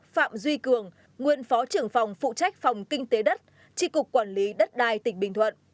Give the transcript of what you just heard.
sáu phạm duy cường nguyên phó trưởng phòng phụ trách phòng kinh tế đất tri cục quản lý đất đai tỉnh bình thuận